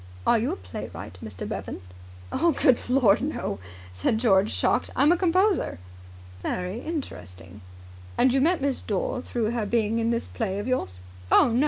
Are you a playwright, Mr. Bevan?" "Good Lord, no!" said George, shocked. "I'm a composer." "Very interesting. And you met Miss Dore through her being in this play of yours?" "Oh, no.